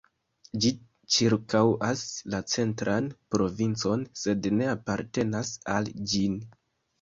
Ĝi ĉirkaŭas la Centran Provincon sed ne apartenas al ĝin.